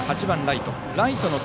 ８番ライト。